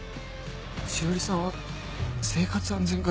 詩織さんは生活安全課じゃ。